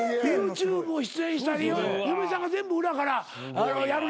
ＹｏｕＴｕｂｅ出演したり嫁さんが全部裏からやるらしいねん。